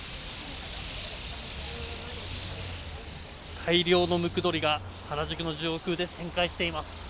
大量のムクドリが原宿の上空で旋回しています。